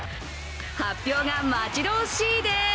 発表が待ち遠しいです。